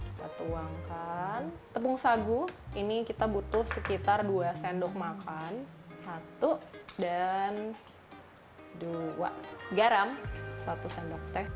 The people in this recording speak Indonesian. kita tuangkan tepung sagu ini kita butuh sekitar dua sendok makan satu dan dua garam satu sendok teh